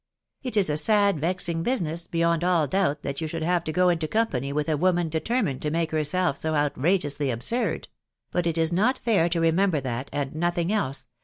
.. It is a sad, vexing business, beyond all doubt, that you should have to go into company with a woman determined to make herself so outrageously absurd ; but it is not fair to remember that, and nothing else